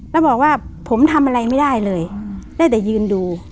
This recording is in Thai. แล้วบอกว่าผมทำอะไรไม่ได้เลยได้แต่ยืนดู